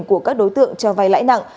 của các đối tượng cho vay lãi nặng